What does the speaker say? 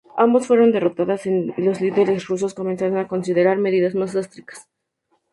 Ambas fueron derrotadas y los líderes rusos comenzaron a considerar medidas más drásticas.